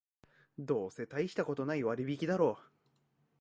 どうせたいしたことない割引だろう